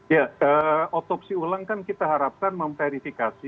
ya otopsi ulang kan kita harapkan memverifikasi